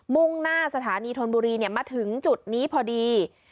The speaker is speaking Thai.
มุ่งหน้าสถานีทนบุรีเนี่ยมาถึงจุดนี้พอดี